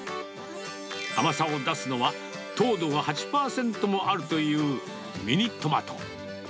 甘さを出すのは、糖度が８％もあるというミニトマト。